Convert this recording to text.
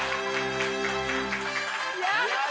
やった。